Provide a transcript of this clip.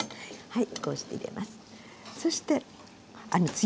はい。